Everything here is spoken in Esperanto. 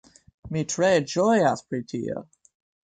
Mi tre ĝojas pri tio!